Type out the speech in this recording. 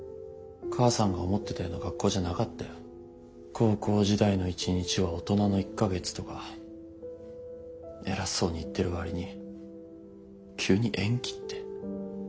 「高校時代の一日は大人の一か月」とか偉そうに言ってるわりに急に延期って。